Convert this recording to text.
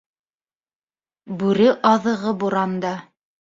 Бүре аҙығы буранда.